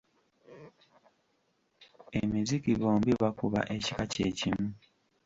Emiziki bombi bakuba ekika kye kimu.